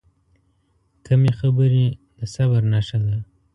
کمې خبرې، د صبر نښه ده.